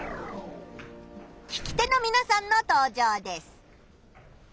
聞き手のみなさんの登場です。